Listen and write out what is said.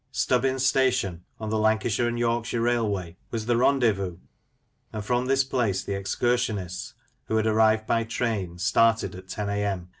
Stubbins station, on the L. and Y. Railway, was the rendezvous, and from this place the excursionists, who had arrived by train, started at lo a.m.